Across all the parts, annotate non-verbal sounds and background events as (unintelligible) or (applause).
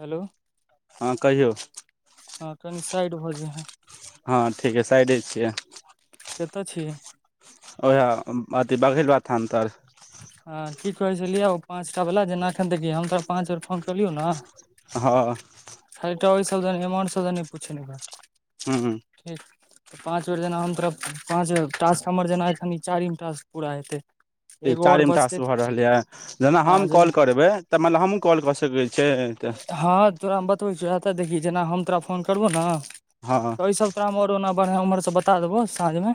hello हँ कहियौ कनी साइड भ जैइह हँ ठीक हइ साइडे छियै कैतय छियै ओएह अथी बघल बाबा थान तर हँ की कहै छलियै पाँच टा वला जेना एखन देखियौ हम तोरा पाँच बेर फोन करलियौ न हँ त इसब एमान सब नै पुछै हूँ ठिक तऽ पाँच बेर जेना हम तरफ पाँच बे टास्क हमर जेना एखन ई चारिम टास्क पूरा हेतै ई एगो आओर चारिमटास बचतै भऽ तऽ रहल यए जेना हँ हम जे कॉल करबै तऽ माने हमहूँ कॉल कऽ सकैत छियै तऽ हँ तोरा हम बतबै छौ त देखही जेना हम तोरा फोन करबो न हँ त ओहि सब तो हम आर ओना बढ़िआं उमर से बता देबौ साँझमे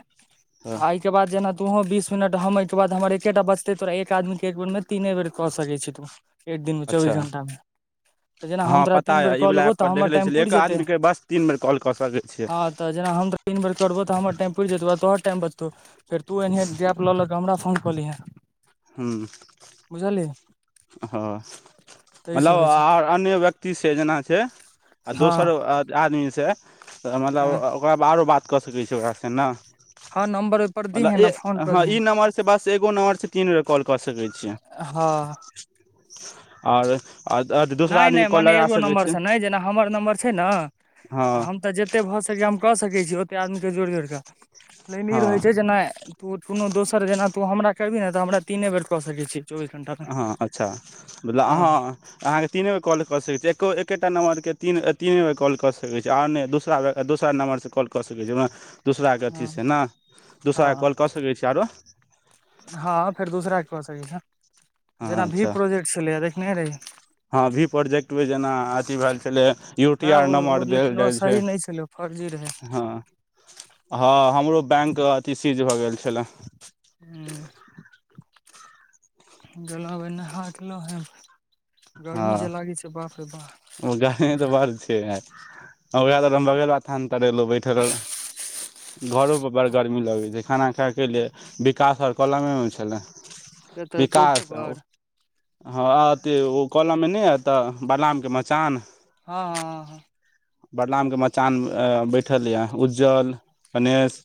तऽ आ एहिके बाद जेना तोहो बीस मिनट हम एहिके बाद हमर एकेटा बचतै तोरा एक आदमीके एक बेरमे तीने बेर क सकै छि तू एक दिन मे अच्छा चौबीस घंटामे त जेना हम हँ तोरा पता तीन बेर यऽ ई क वला लेबौ त ऐपपर देख हमर लै टाइम छलियै पुरि एक जेतै आदमीके बस तीन बेर कॉल कऽ सकै छियै हँ त जेना तीन बेर करबो त हमर टाइम पूइर जेतब ओकरबद तोहर टाइम बचतौ फेर तू एनहिए गैप लऽ लऽ कऽ हमरा फोन कऽ लिहँ हु ह तै हेलो सँ होइ छै आर अन्य व्यक्तिसँ जेना छै आ हँ दोसर आदमीसँ तऽ मतलब हँ ओकरा आओरो बात कऽ सकै छी ओकरासँ ने हँ नम्बर ओहि पर दिहे ने फोन मतलब कऽ हँ दिहे ई नम्बरसँ बस एगो नम्बरसँ तीन बेर कॉल कऽ सकैत छियै (unintelligible) आओर आओर दोसरा नहि आदमी नहि कॉल मने लगा एगो सकै छै नम्बरसँ नहि जेना हमर नम्बर छै न हँ त हम तऽ जतेक भ सकी हम क सकै छिय ओतेक आदमीके जोड़ि जोड़ क लिन ई हँ रहैत छै जेना तू कोनो दोसर जेना तू हमरा करबही न त हमरा तीने बेर क सकैत छी चौबीस घंटामे हँ अच्छा बलब हँ अहाँ अहाँके तीने बेर कॉल कऽ सकैत छी एको एकेटा नमंबर के तीन तीनबेर कॉल क सकैत छी आओर नहि दोसरा दोसर नम्मबर कॉल कऽ सक छ जेना दसरा के हँ अथीसे ने दोसरा के हँ कॉल कऽ सकै छी आरो हँ फेर दूसराे कऽ सकैत छी हँ जेना भी अच्छा प्रोजेक्ट छलै देखनेहे रही हँ भी प्रोजेक्टमे जेना अथी भए छलै यू टी वएह आर ओ नम्बर देल लेकिन ओ जाइ छै सही नहि छलै ओ फर्जी रहै हँ हँ हमरो बैंक अथि सीज भऽ गेल छले गेलहुे नहालो हे गर्मी हँ जे लागै छै बापे बाप ओ गर्मी त बार छै यार ओकरा बर हम बगेल बाथान तर एलहुँ बैठल घरोपर बड़ गर्मी लगैत छै खाना खायके लिए विकास सब कलमेमे छलै केतह चौके विकास पर हँ अथी ओ कलममे नहि हतहऽ बलरामके मचान हँ हँ हँ हँ बडनाम के मचान अ बैठल यए उज्ज्वल गणेश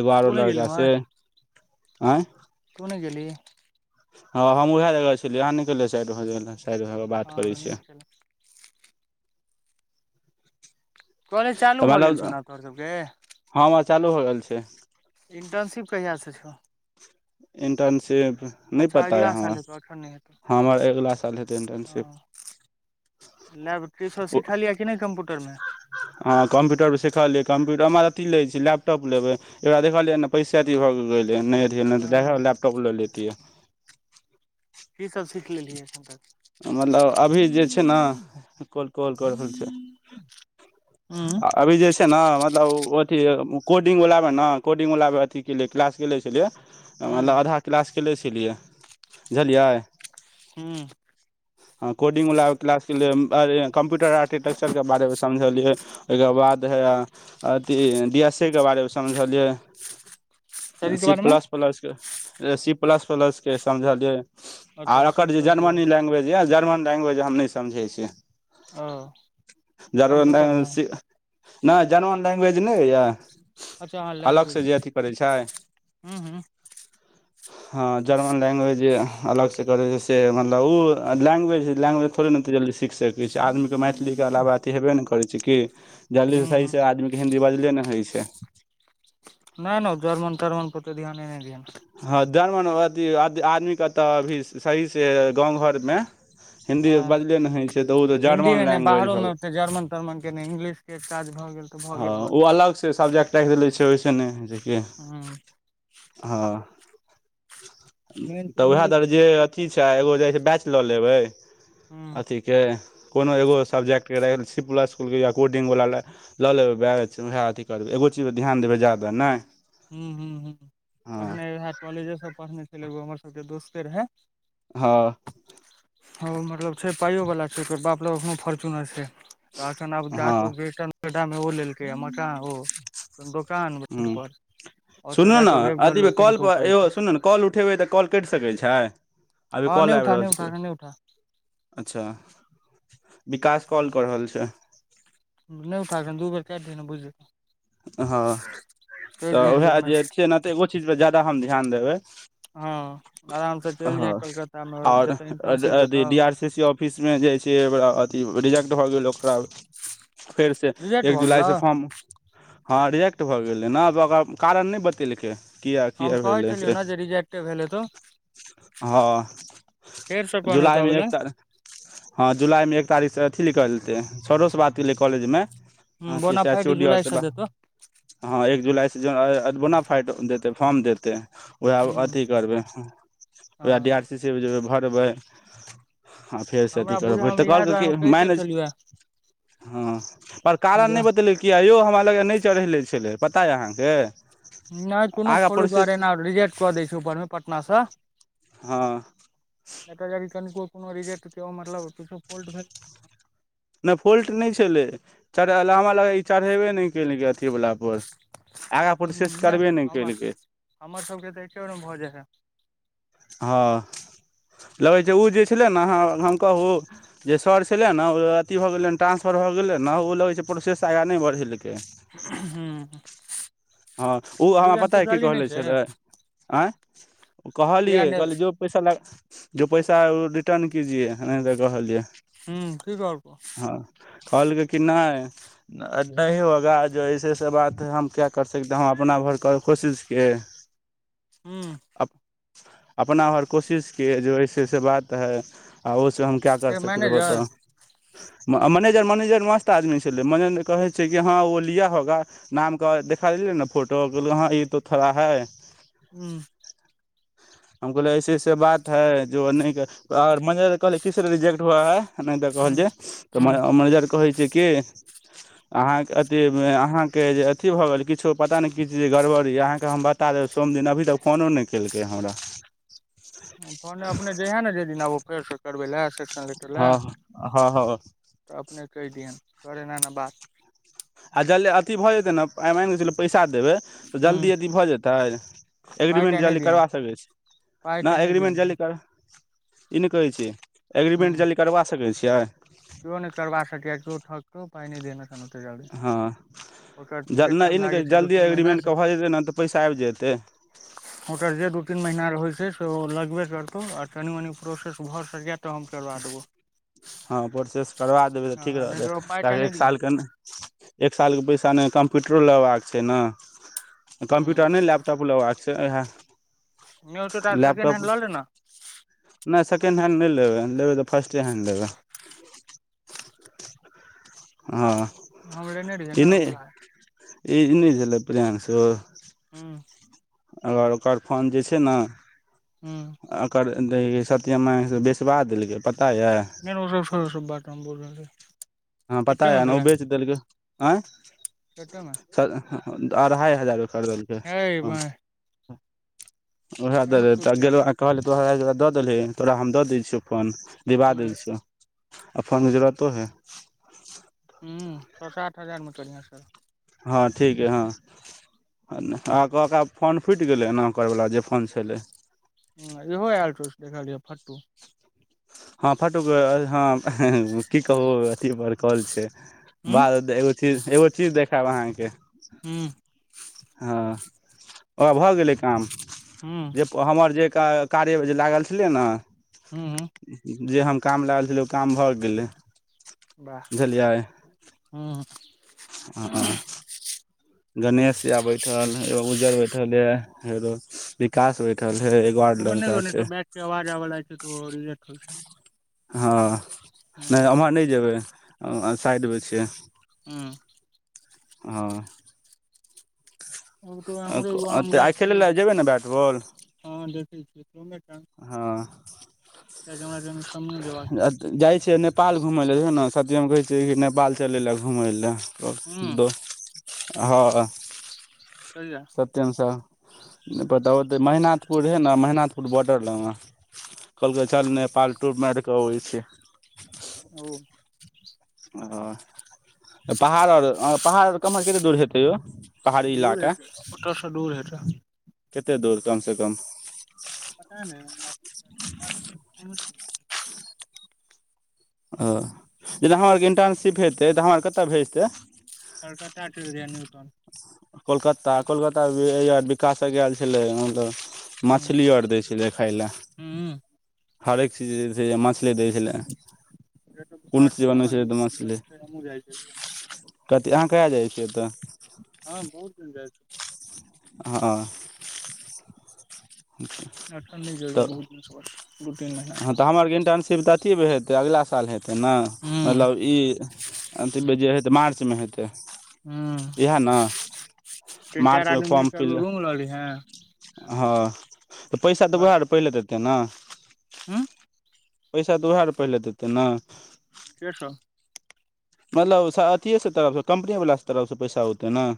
एगो तू आरो नहि गेलही लड़का उम्हर छै अयं तू नय गेली हँ हम उएह जगह छलियै अहाँ निकलियै साइड भ जा साइड भऽ कऽ हँ बात करै नीक छियै केलौ कॉलेज चालू तऽ भऽ गेल मतलब छौना आब तोहर सभके हमर चालू हो गेल छै कु्त इंटर्नशिप नहि पता य अगिला हमरा साल हेतौ अखन नहि हेतौ हँ हमर अगिला साल हेतै इन्टर्नशिप लैब तीशओ सीखल यए कि नहि कम्प्यूटर में हँ कम्प्यूटर सिखलियै कम्प्यूटर हमरा अथी लै छै लैपटॉप लेबै एकरा देखलियै ने पैसा अथी भऽ गेलै नहि अथी नहि तऽ जा हो हँ लैपटॉप लऽ लेतिए की सब सीख लेलियै एखन तक मतलब अभी जे छै ना कल कल क रहल छै हूँ अभी जे छै ने मतलब ओ अथी कोडिङ्ंगवलामे ना कोडिंगवला मे अथी केलियै क्लास केेले छलियै मतलब हूँ आधा क्लास केले छलियै बुझलियै हूँ हां‌‌‍ कोडिंग वाला क्लास के लिए कम्प्यूटर आर्किटेक्चर के बारे मे समझलियै ओहिके बाद हां अथी बिशसी के बारे मे समझलियै (inaudible) के सी बारे मे प्लस प्लस के सी प्लस प्लस के समझलियै अच्छा आर सी एकर जे प्लस प्लस जर्मनी लैंग्वेज यए जर्मन लैंग्वेज हम नहि समझै छी ओ टेपू कर मे नहि जनुआन लैंगु्वेज नहि होया अच्छा ऑनलाइन बूझ ह ह हँ जर्मन लैंग्वेज अलग से करै छै से मतलब ओ आ लैंग्वेज लैंग्वेज थोड़े ने एते जल्दी सीख सकै छी आदमी के मैथिली के अलाव अथी हेबे नहि करै छै कि जल्दी हूँ हूँ सही से आदमी के हिन्दी बजले ने होइ छै नहि नहि जर्मन तार्मन पे औते ध्याने नहि दिय हँ जर्मन अथी आदमी के तऽ अभी सही से गाँव घर मे हिंन्दी हँ बजले नहि होइ छै तऽ ओ तऽ हिन्दी जर्मन मे नहि लैंग्वेज बाहरो हो मे गेल ओते जर्मन तर्मन के नहि इंग्लिश के काज भऽ गेल तऽ भऽ हँ गेल बस ओ अलग से सब्जेक्ट राखिले छै ओहिस ने होइ छै कि हँ हँ मेन तऽ छै उएह इंग्लिश दर और जे कम्प्यूटर अथी छै एगो जाइ छै बेच लऽ लेबै हूँ अथी के कोनो एगो सब्जेक्ट के रेलसीप ल चुकलिया कोडिंगवला लए लऽ लेबै बैग छै ओएह अथी करबै एगो चीज पर ध्यान देबै जादा नहि हुँ हुँ हुँ हँ एखने उएह कॉलेजे सब पढ़ने छल एगो हमर सभ के दोस्ते रहए हां ओ मतलब छै पाइयोवला छै ओकर बाप ल एखनो फोर्च्युनर छै तऽ अखन आब हँ जातो ग्रेटर नोइडा मे ओ लेलकै य मकान ओ दोकान हूँ रोड पर ओतऽ सुनू ने जाकऽ वेब अथी डेवलपिंग कॉल तऽ ओ पर करै यौ छै सुनू ने कॉल उठेबै तऽ कॉल कट सकैत छै अभी हँ नहि कल आबि उठा नहि रहल उठा छैैले एखन नहि उठा अच्छा विकास कॉल कऽ रहल छै से त बुझियै हँ तऽ दिहैन उएह ओहिमे जे छै ने तऽ एगो चीज पर ज्याद हम ध्यान देबै हँ आराम से चलि जाय हँ कलकत्ता मे आ जतऽ इंटर्नशिप ओर देतौ D R C C office मे मे जाइ छै ओकरा अथि रिजेक्ट भऽ गेल ओकरा फेर से रिजेक्ट एक भऽ जुलाई गेलौ से फॉर्म हँ रिजेक्ट भऽ गेलै ने ओकर कारण नहि बतेलकै किया हम किया कहै भेलै छलियौ से ने जे रिजेक्टे भेल हेताओ हँ कहने हेतौ जुलाईमे एक अबैले त हँ जुलाईमे तारीकसँ अथी निकलतै सरोसँ बात गेलै कॉलेजमे हँ अथी बोना सँ एच फाइट ओ डी आर जुलाइ हँ एक जुलाइसँ जोन बोनाफाइट देतै फॉर्म देतै उएह हूँ अथि करबै हँ उएह डी आर सी सी मे जेबै भरबै हँ फेरसँ अथी हमरा करब बुझल परतै तो मे इएह कहलके दुआरे कि हम कहिते मैनेज छलियौ हँ पर कारण जे नहि बतैलकैय किया यौ हम हमरा लगिए नहि चढ़े छलै पता य अहाँके नहि कोनो आगाँ फॉलो प्रोसेस दुआरे ने रिजेक्ट कऽ दै छै ऊपरमे पटनासँ हँ एकटा जभ कनिको कोनो रिजेक्ट सेहो मतलब किछो फोल्ट भेल नहि फॉल्ट नहि छलै चढ़ा हमरा लगैइ छै चढ़ेबे नहि कयेलकै अथीवलापर ह नहि हमरा हमर सबके तऽ एके बेरमे भऽ जाइ हेय हँ लगै छै ओ जे छलै ने हम कहू जे सर छलै ने अथी भऽ गेलै ट्रांसफर भ गेलै ने ओ लगै छै प्रोेसेस आगा नहि बढ़ैलकै हू हँ ओ हमरा पता हय की कहले से छलै आँय किया कहलिए नहि कहलिए जो पैसा लेका जो पैसा है ओ रिटर्न कीजियए एनाहिते तऽ कहलियै हूँ की कहलकौ हँ कलकै कि नाहि नहि होगा जो ऐसेऐसे बात ह हम क्या कर सकतेै हम अपना भर कर कोशिश किए ह ह्म अपना हर कोशिश किए जो ऐसे एसे बात है आ ओ हम क्या कर के सकते है मैनेजर बताउ मनेजर मनेजर मस्त आदमी छलै मनेजर कहै छै कि हँ ओ लिया होगा नामके देखा देल ने फोटोल हँ ई तो थोड़ा है हूँ हम कहलिए ऐसे ऐसे बात है जो नहि और मनेजर कहलिए कीसलिए रिजेक्ट हुआ है नहि तऽ कहल हूँ जा तऽ हूँ मैनेजर कहै छै कि अहाँ के अथी भ अहां के जे अथी भअ गेल किछो पता ने कि गड़बड़ भअ अहांके हम बता सोम दिन अभी तक फोनो नहि केलकै हमरा फोने अपने जाहिए ने जाहि दिन आबू फेर से करबै लए सेक्शन लिखै लए हँ हँ हँ तऽ अपने कहि दियै करे नाना बात आ जल्दी अथि भऽ जेतै ने आ मानि कऽ चलू पैसा देबै तऽ हूँ जल्दी अथी भऽ जेतै पाइ अग्रीमेंट ताइ नहि जल्दी दिहन करबा सकै छी पाइ ताइ नहि दिहन अग्रीमेंट एखन जल्दी कर ई नहि कहैत छै अग्रीमेंट हूँ जल्दी करबा सकैत छियै पाय नहि दैयने छलहु ताहि दुआरे ज नहि ई जल्दी से अग्रीमेंटके भऽ जेतै ने तऽ पैसा आबि जेतै होटर जे दू तीन महिना रहै छै छै सेहो लगबे करतौ आ तनि मनि प्रोसेस भऽ सकै तऽ हम करबा देबौ हँ प्रोसेस करबा देबै तऽ ठीक हँ रहतै लेकिन ओ पाइ टा ताकि नहि एक दिहन साल के एक साल के पैसा नहि कम कम्प्यूटरो लेबाके छै ने कम्प्यूटर हूँ नहि लैपटॉप लेबाक छै इएह नहि होतौ तऽ आब सेकेंड लैपटॉप हैंड लऽ ले ने नहि सेकेन्ड हैण्ड नहि लबै लबै तऽ फर्स्टे हैण्ड लेबै (unintelligible) हँ हम लेने रहिए ने ऊवला ए ई नय भेलय प्रियाषु हँ आ और ओकर फोन जे छै न हूँ ओकर सत्यमा से बेसबा देलकै प नय नय ओ सब छोरू ओ सब बात हम बोल रहल हँ रहियै पता य कतेमे ने ओ भेलै बेच देलक आ कतेमे सा अढ़ाइ हजार खरीदेलकै हे ह बहिन उएह दऽ केहन दे तऽ सूट यै गेल सब कहलै तोरा दऽ देलही तोरा हम दऽ दै छियौ फोन दिबा दै हूँ छियौ आ फोन जरुरतो हे हू छ सात हजार मे करिहै सर हँ ठीके हँ अह कहक फोन फूटि गेलै एना ओकर वला जे फोन छलै ह इहो आयल छौ से देखलियै फटटू हँ फटो ह है की कहू अथी बड़कल छै हूँ बाद एगो चीज एगो चीज देखायब अहाँके हू ओ भऽ गेलै काम हुँ का कार्य जे लागल छलय न हूँ हूँ जे हम काम लागल छलै ओ काम भऽ गेलै वाह बुझलियै हूँ हूँ हँ गणेश य बैठल एगो बुजुर्ग बैठल या विकास बैठल हे एगो आर ओ मने द लड़का नऽ छै बैक के अवाज आब लाग छै त रिलेकट हो छै हँ हूँ नय हमहाँ नय जेबै साइड मे छियै हुँ हँ ओकर आम रहै एगो आम तऽ आइ खेलै गाछी मे लए जेबै ने बैट छै ह देखे छ हां हमरा कनि समयो जेबाक छै जाइ छियै नेपाल घूमय लऽ देखियौ ने सत्यम कहै छियै कि नेपाल चलै लए घूमय लए द हूँ द हँ कहिया सत्यम स नय पता ओतै मेहनाथपुर है न मेहनाथपुर बॉर्डर लग कहलकै चल नेपाल टूर मायर कऽ अबै छै ओ ओ पहाड़ आर पहाड़ आर कमहर कते दूर हेतै य दूर हेत ओत स दूर हेत कते दूर कम सँ कम पता नय हमरा ओ जेना हमरा आरके इंटर्नशिप हेतै तऽ हमरा आर कतय भेजतै कलकाता चल जहिए न त न्यूटाॅन कोलकता कोलकता विकासक आयल छलै मतलब हूँ मछली आर दै छलै खाय लए हूँ हरेक चीज दै छलय मछली दै छलै त कोन विकास सो चीज रहो बनै ने ने न हमहु जाइ छै कथि अहाँ कहिआ जाइ छियै त हँ बहुत दिन जाइ छी हँ आ ठण्डी जलिया तऽ बहुत दस बस दू तीन महिना सँ हँ तऽ हम आरके इंटर्नशिप तऽ अथ हेतै अगिला साल हेतै ने हूँ मतलब ई अंतिम में जे हेत मार्च मे हेत हूँ इह ने तीन चारि मार्च मे आदमी मिल फॉर्म कऽ फिल एगो रूम लऽ लीहें हँ तऽ पैसा तऽ उएह पहिले तऽ देतै ने हँ पैसा तऽ उएह र पहिले देतै ने केसब मतलब अथिीे से तरफसँ कम्पनी वालला तरफसँ पैसा होतै ने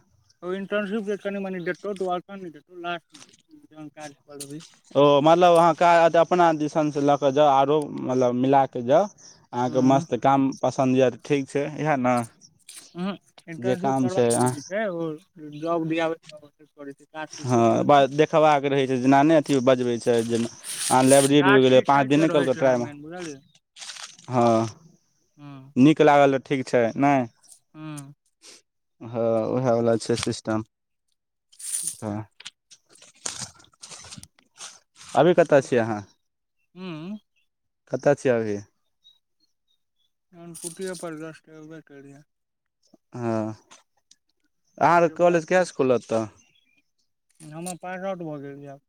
इटर्नशिप जे कनि मनि देतो लास्ट में जहन काज क लेबही ओ मतलब अहाँ क अपना दिसन से लऽ के जाउ आरो मतलब मिला क जाउ अहाँके हँ मस्त काम पसन्द यए ठीक छै इएह ने ह जे इंटर्नशप काम करा अहाँ छै जॉब दियाब हँ देखबाक रहे छै जेना नहि अथी बजबे छै जेना अ लाइब्रेरी हो काज गेलै सीखै पाँच दिन नहि रहै कहलकै छै ट्राइमे मेन बुझलियै हँ नीक लागल तऽ ठीक छै नहि हूँ हँ उएह वला छै सिस्टम ह (unintelligible) अभी कतय छीय अहाँ हू कतय छिय अभी नान पुतियपरद अभी जस्ट एबे केलिए हँ अहाँ कॉलेज कहियास खुलत त हम पास आउट भऽ गेलय अब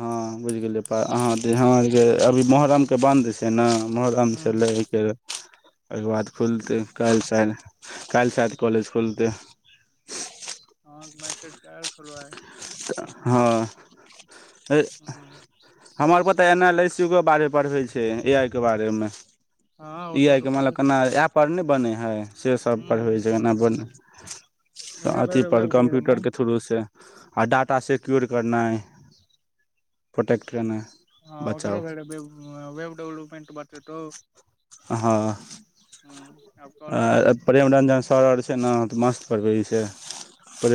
हँ बुझि गेलियैह जे अभी मोहरमके बन्द छै ने मोहरम छै हूँ लेके ओहिके बाद खुलतै काल्हि सा काल्हि साायद कॉलेज खुलतै हँ त मैसेज त ऑयल छलय आई ह हूँ हमरा पर ता न ल इ सी के बारे पढ़बई छै ए आई के बारे मे हँ ओ ए सब आइ तऽ के मतल पढ़ैत केना एप पर ने बने हे से सब हूँ पढ़ होै हूँ छै हूँ अपन उएह भेल अथी रहौ पर वेब डेवलपमेंट कम्प्यूटरके थ्रू से आ डाटा सिक्योर करनाइ प्रोटेक्ट केनाइ ह ओकरे बचाउ भेलई वेब डवलपमेंट बातेंतो हँ कैट आ जेतौ प्रेम रंजन सर आर छै ने मस्त पढ़बई छय